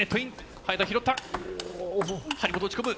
早田、拾った、張本、打ち込む。